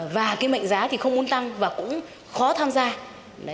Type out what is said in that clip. và cái mệnh giá thì không muốn tăng và cũng khó tham gia